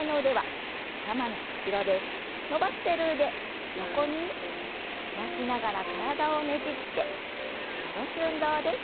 伸ばしてる腕横に開きながら体をねじって戻す運動です。